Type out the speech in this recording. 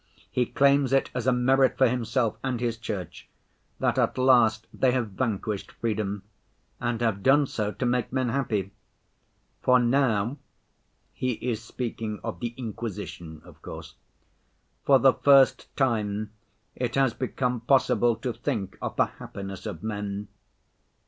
He claims it as a merit for himself and his Church that at last they have vanquished freedom and have done so to make men happy. 'For now' (he is speaking of the Inquisition, of course) 'for the first time it has become possible to think of the happiness of men.